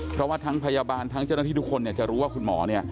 เพราะว่าทั้งพยาบาลทั้งเจ้าหน้าที่ทุกคนจะรู้ว่าคุณหมอ